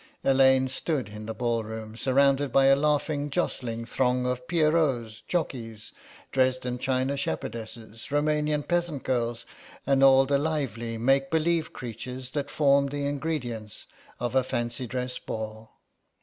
Elaine stood in the ball room surrounded by a laughing jostling throng of pierrots, jockeys, Dresden china shepherdesses, Roumanian peasant girls and all the lively make believe creatures that form the ingredients of a fancy dress ball.